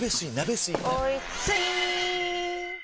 おいスイー！